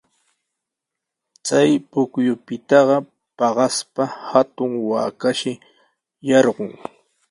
Chay pukyupitaqa paqaspa hatun waakashi yarqun.